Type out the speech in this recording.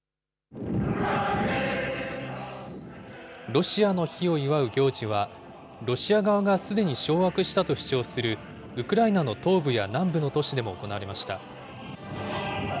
ロシアの日を祝う行事は、ロシア側がすでに掌握したと主張するウクライナの東部や南部の都市でも行われました。